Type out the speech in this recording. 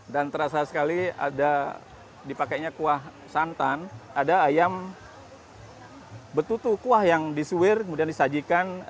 dan terasa sekali ada dipakainya kuah santan ada ayam betutu kuah yang disuir kemudian disajikan di atas